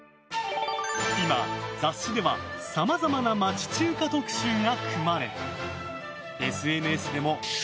今、雑誌ではさまざまな町中華特集が組まれＳＮＳでも「＃